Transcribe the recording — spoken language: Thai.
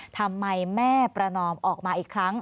ทำไมแม่ประนอมออกมาอีกครั้ง